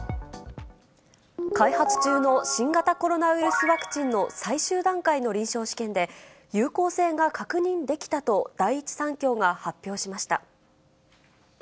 開発中の新型コロナウイルスワクチンの最終段階の臨床試験で、有効性が確認できたと第一三共が発表しました。